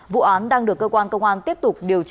vụ án đang được cơ quan công an tiếp tục điều tra xử lý